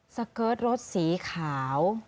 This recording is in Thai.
สะเกิดรถสีขาว